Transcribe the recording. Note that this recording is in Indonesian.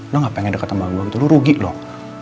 lo gak pengen deket sama gue gitu lo rugi loh